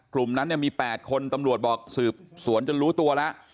กลุ่มนั้นเนี่ยมี๘คนตำรวจบอกสืบสวนจนรู้ตัวแล้ว